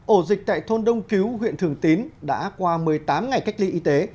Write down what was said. ổ dịch tại thôn đông cứu huyện thường tín đã qua một mươi tám ngày cách ly y tế